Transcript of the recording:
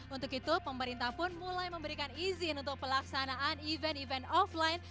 untuk itu pemerintah pun mulai memberikan izin untuk pelaksanaan event event offline